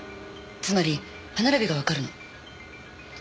つまり歯並びがわかるの。